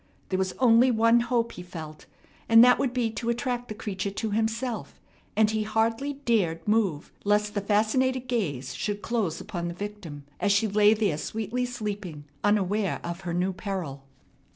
There was only one hope, he felt, and that would be to attract the creature to himself; and he hardly dared move lest the fascinated gaze should close upon the victim as she lay there sweetly sleeping, unaware of her new peril.